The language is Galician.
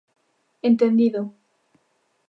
Entendido.